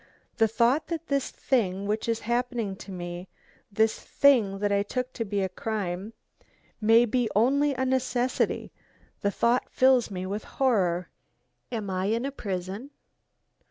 The thought that this thing which is happening to me, this thing that I took to be a crime, may be only a necessity the thought fills me with horror! Am I in a prison?